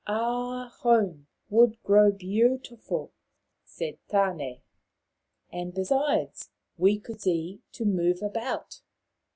" Our home would grow beautiful," said Tane ;" and besides, we could see to move about."